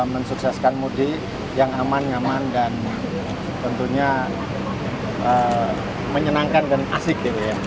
mensukseskan mudik yang aman aman dan tentunya menyenangkan dan asik